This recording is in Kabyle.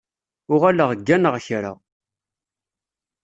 Uɣaleɣ gganeɣ kra.